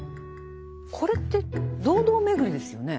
これって堂々巡りですよね。